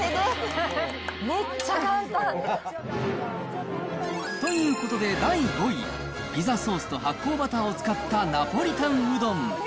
めっちゃ簡単。ということで第５位、ピザソースと発酵バターを使ったナポリタンうどん。